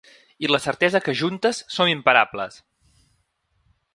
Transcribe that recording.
I la certesa que juntes som imparables.